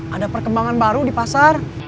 ada perkembangan baru di pasar